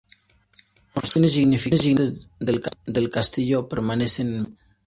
Porciones significantes del castillo permanecen en pie.